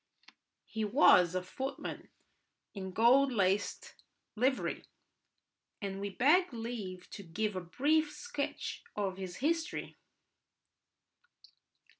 He was a footman in gold laced livery, and we beg leave to give a brief sketch of his history.